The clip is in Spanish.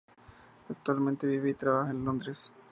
Actualmente vive y trabaja en Londres.